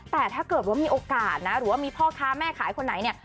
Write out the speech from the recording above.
แต่ถ้าเกิดว่ามีโอกาสนะหรือว่ามีพ่อค้าแม่ขายคนไหนเนี่ย